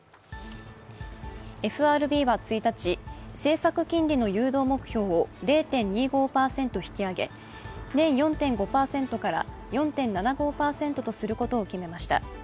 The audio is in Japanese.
ＦＲＢは１日、政策金利の誘導目標を０．２５％引き上げ年４．５％から４．７５％とすることを決めました。